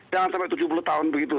jangan sampai tujuh puluh tahun begitu